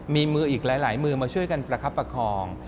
มีมืออีกหลายมือมาช่วยกันประคับประคอง